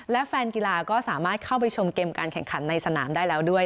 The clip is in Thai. และแฟนกีฬาก็สามารถเข้าไปชมเกมการแข่งขันในสนามได้แล้วด้วย